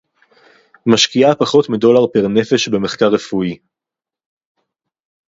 משקיעה פחות מדולר פר-נפש במחקר רפואי